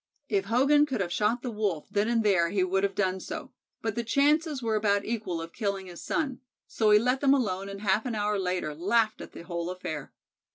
If Hogan could have shot the Wolf then and there he would have done so, but the chances were about equal of killing his son, so he let them alone and, half an hour later, laughed at the whole affair.